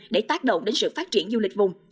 để tác động đến sự phát triển du lịch vùng